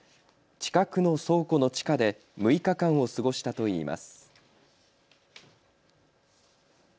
近くの倉庫の地下で６日間を過ごしたといいます。